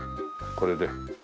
これで。